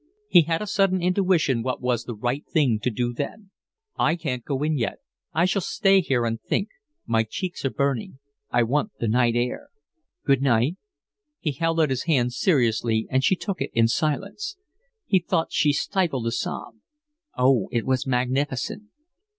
He had a sudden intuition what was the right thing to do then. "I can't go in yet. I shall stay here and think. My cheeks are burning. I want the night air. Good night." He held out his hand seriously, and she took it in silence. He thought she stifled a sob. Oh, it was magnificent!